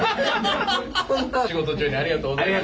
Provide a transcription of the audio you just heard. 仕事中にありがとうございました。